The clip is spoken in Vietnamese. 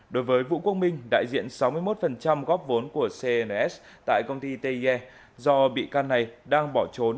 đối với vũ quốc minh đại diện sáu mươi một góp vốn của cns tại công ty tie do bị can này đang bỏ trốn